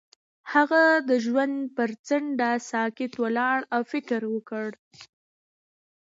هغه د ژوند پر څنډه ساکت ولاړ او فکر وکړ.